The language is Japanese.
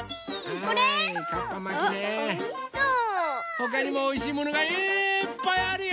ほかにもおいしいものがいっぱいあるよ！